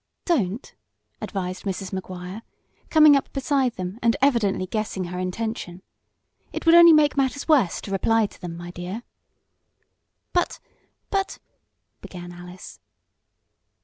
"Don't," advised Mrs. Maguire, coming up beside them, and evidently guessing her intention. "It would only make matters worse to reply to them, my dear." "But but " began Alice.